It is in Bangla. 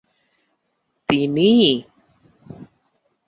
তিনি ই!